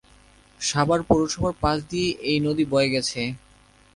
সাভার পৌরসভার পাশ দিয়ে এই নদী বয়ে গেছে।